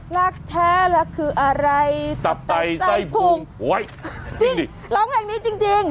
รักแท้รักคืออะไรตัดใจใส่ภูมิจริงร้องเพลงนี้จริง